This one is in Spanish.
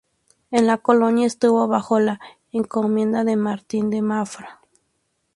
En la colonia estuvo bajo la encomienda de Martín de Mafra.